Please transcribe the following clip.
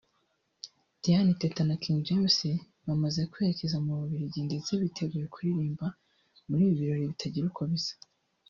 Diana Teta na King James bamaze kwerekeza mu Bubiligi ndetse biteguye kuririmba muri ibi birori bitagira uko bisa